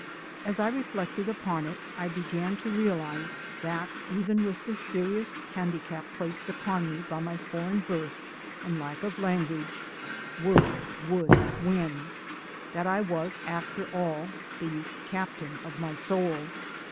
As I reflected upon it, I began to realize that, even with the serious handicap placed upon me by my foreign birth and lack of language, work would win ; that I was, after all, the "captain of my soul."